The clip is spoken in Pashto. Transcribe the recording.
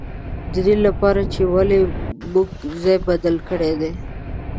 د دې له پاره چې ولې موږ ځای بدل کړی دی.